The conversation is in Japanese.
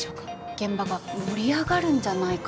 現場が盛り上がるんじゃないかと。